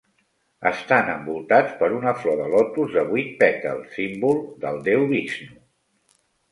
Estan envoltats per una flor de lotus de vuit pètals, símbol del deu Vixnu.